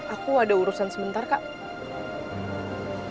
aku ada urusan sebentar kak